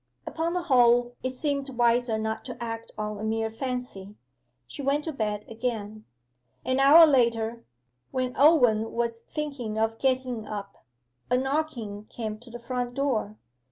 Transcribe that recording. Upon the whole it seemed wiser not to act on a mere fancy. She went to bed again. An hour later, when Owen was thinking of getting up, a knocking came to the front door.